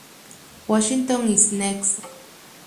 Washington Is Next!